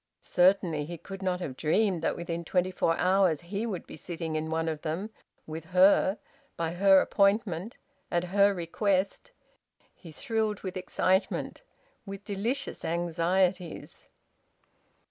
Certainly he could not have dreamed that within twenty four hours he would be sitting in one of them with her, by her appointment, at her request. He thrilled with excitement with delicious anxieties.